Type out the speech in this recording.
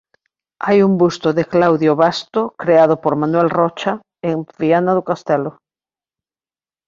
Hai un busto de Cláudio Basto creado por Manuel Rocha en Viana do Castelo.